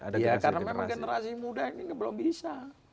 karena memang generasi muda ini belum bisa